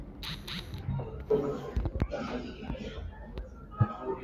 vikuu vya kwanza vilivyomalizika kwa kuvunja Milki ya